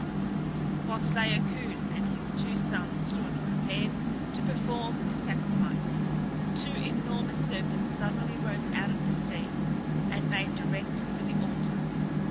Whilst Laocoon with his two sons stood prepared to perform the sacrifice, two enormous serpents suddenly rose out of the sea, and made direct for the altar.